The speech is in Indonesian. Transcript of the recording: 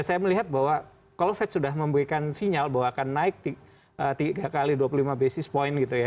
saya melihat bahwa kalau fed sudah memberikan sinyal bahwa akan naik tiga x dua puluh lima basis point gitu ya